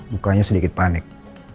mukanya sedikit panik